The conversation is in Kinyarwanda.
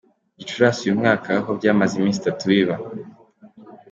Gicurasi uyu mwaka, aho byamaze iminsi itatu biba.